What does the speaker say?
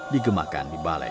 digemakkan di balai